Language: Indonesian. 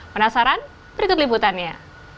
penasaran berikut liputannya